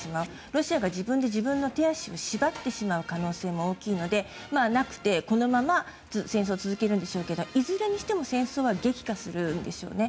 ロシアが自分で自分の手足を縛ってしまう可能性も大きいのでなくて、このまま戦争を続けるんでしょうけどいずれにしても戦争は激化するんでしょうね。